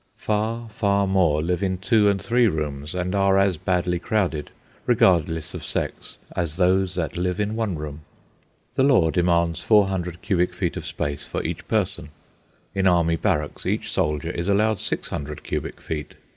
Far, far more live in two and three rooms and are as badly crowded, regardless of sex, as those that live in one room. The law demands 400 cubic feet of space for each person. In army barracks each soldier is allowed 600 cubic feet.